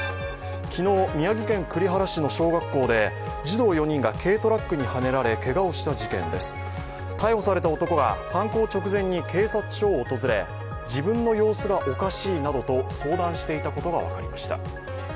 昨日、宮城県栗原市の小学校で児童４人が軽トラックにはねられけがをした事件です、逮捕された男が犯行直前に警察署を訪れ、自分の様子がおかしいなどと相談していたことが分かりました。